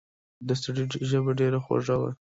د سړي ژبه ډېره خوږه وه.